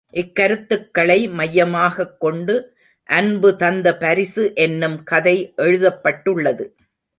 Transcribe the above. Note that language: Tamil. இக்கருத்துக்களை மையமாகக் கொண்டு அன்பு தந்த பரிசு என்னும் கதை எழுதப்பட்டுள்ளது.